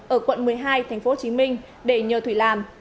ở quận một mươi hai tp hcm để nhờ thủy làm